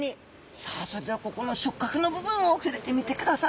さあそれではここの触角の部分を触れてみてください！